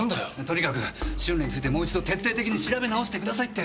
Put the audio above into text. とにかく春麗についてもう一度徹底的に調べ直してくださいって。